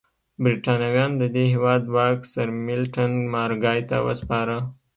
برېټانویانو د دې هېواد واک سرمیلټن مارګای ته وسپاره.